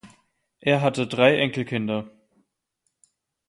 Er hatte drei Enkelkinder.